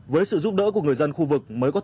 với sự giúp đỡ của người dân khu vực